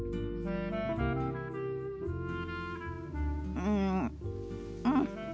うんうん。